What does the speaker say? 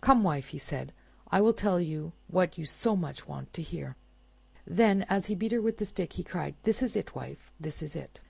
"Come, wife," he said, "I will tell you what you so much want to hear." Then as he beat her with the stick he cried, "This is it, wife! This is it."